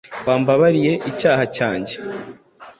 Wambabariye icyaha cyanjye;